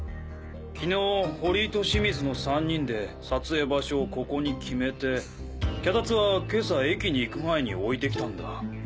昨日堀井と清水の３人で撮影場所をここに決めて脚立は今朝駅に行く前に置いてきたんだ。